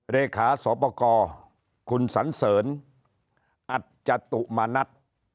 เรขาสปกคุณสันเสริญอาจจะตุมานัด